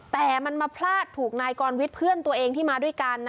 แต่มันมาพลาดถูกนายกรวิทย์เพื่อนตัวเองที่มาด้วยกัน